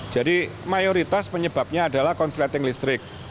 jadi mayoritas penyebabnya adalah korsleting listrik